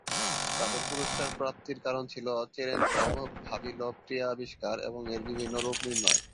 তাদের পুরস্কার প্রাপ্তির কারণ ছিল চেরেংকভ-ভাভিলভ ক্রিয়া আবিষ্কার এবং এর বিভিন্ন রুপ নির্ণয়।